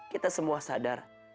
kita semua sadar